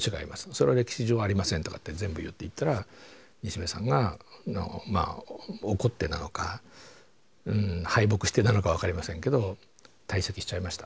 それは歴史上ありません」とかって全部言っていったら西部さんがまあ怒ってなのか敗北してなのか分かりませんけど退席しちゃいました。